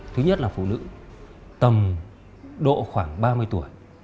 thứ nhất là phụ nữ tầm độ khoảng ba mươi tuổi